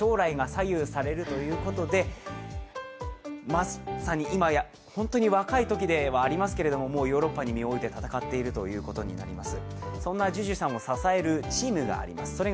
まさに今、若いときではありますがもうヨーロッパに身を置いて戦っているということになります。